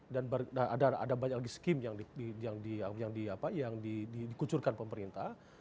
ada banyak lagi skim yang dikucurkan pemerintah